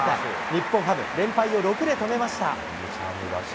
日本ハム、連敗を６で止めました。